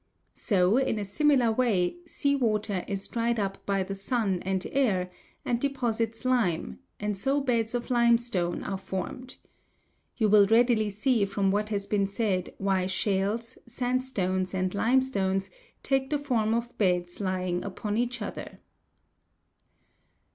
So, in a similar way, sea water is dried up by the sun and air, and deposits lime, and so beds of limestone are formed. You will readily see from what has been said why shales, sandstones, and limestones take the form of beds lying upon each other.